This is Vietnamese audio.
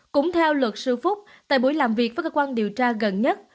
cũng theo luật sư phúc tại buổi làm việc với cơ quan điều tra gần nhất